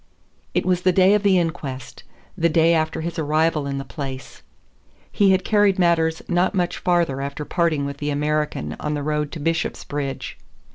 It was the day of the inquest, the day after his arrival in the place. He had carried matters not much farther after parting with the American on the road to Bishopsbridge.